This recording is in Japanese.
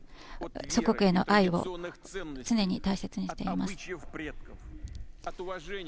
祖国への愛を常に大切にしています。